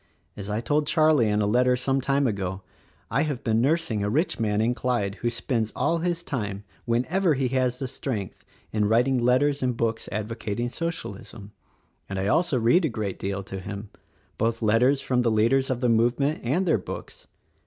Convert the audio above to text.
As I told Charlie in a letter some time ago, I have been nursing a rich man in Clyde who spends all his time, whenever he has the strength, in writing let ters and books advocating Socialism, and I also read a great deal to him, — both letters from the leaders of the movement and their books.